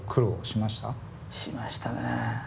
しましたね。